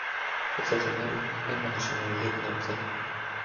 Z oczu Marii padła na szalę jedna łza.